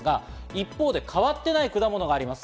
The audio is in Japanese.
一方で変わっていない果物があります。